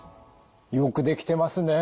よくできてますね。